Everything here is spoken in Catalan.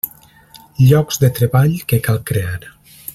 Llocs de treball que cal crear.